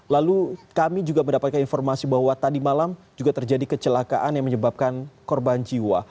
lalu kami juga mendapatkan informasi bahwa tadi malam juga terjadi kecelakaan yang menyebabkan korban jiwa